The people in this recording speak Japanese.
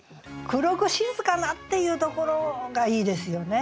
「黒く静かな」っていうところがいいですよね。